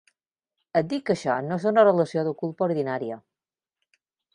Et dic que això no és una relació de culpa ordinària.